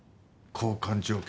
交換条件